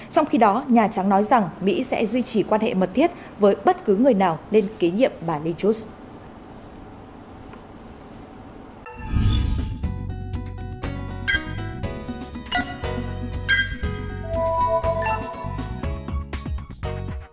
trong khi đó nhà trắng nói rằng mỹ sẽ duy trì quan hệ mật thiết với bất cứ người nào nên kế nhiệm bà lee chooch